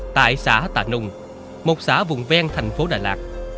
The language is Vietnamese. tại xã tà nùng một xã vùng ven thành phố đà lạt